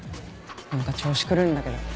何か調子狂うんだけど。